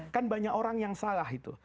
kan banyak orang yang salah itu